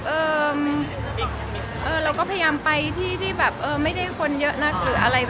ดีกว่าไปที่ไม่ได้คนเยอะนัก